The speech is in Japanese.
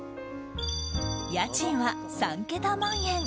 家賃は３桁万円。